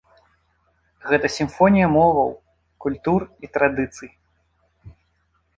Гэта сімфонія моваў, культур і традыцый.